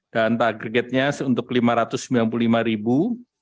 dan targetnya untuk lima ratus sembilan puluh lima ribu